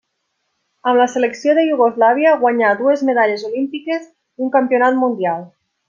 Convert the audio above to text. Amb la selecció de Iugoslàvia guanyà dues medalles olímpiques i un campionat mundial.